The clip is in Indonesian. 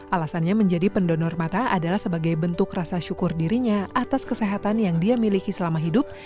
alasannya menjadi pendonor mata adalah sebagai bentuk rasa syukur dirinya atas kesehatan yang dia miliki selama hidup